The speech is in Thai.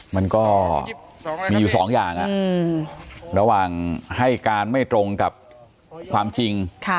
มันก็มีอยู่สองอย่างระหว่างให้การไม่ตรงกับความจริง